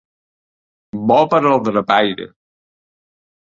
Bo per al drapaire.